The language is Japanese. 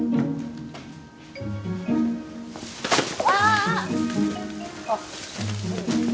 ああ。